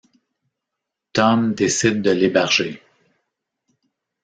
Tom décide de l'héberger.